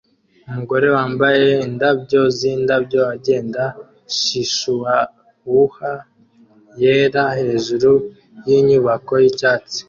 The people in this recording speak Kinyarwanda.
Umugore wambaye indabyo zindabyo agenda chihuahua yera hejuru yinyubako yicyatsi